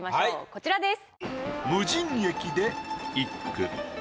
こちらです。